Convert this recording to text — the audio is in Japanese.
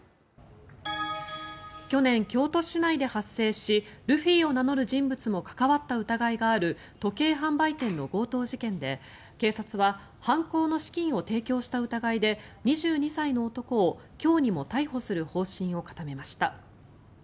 去年、京都市内で発生しルフィを名乗る人物も関わった疑いがある時計販売店の強盗事件で警察は犯行の資金を提供した疑いで２２歳の男を今日にも逮捕する方針を固めました。